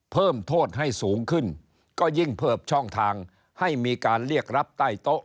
เพิ่มโทษให้สูงขึ้นก็ยิ่งเพิ่มช่องทางให้มีการเรียกรับใต้โต๊ะ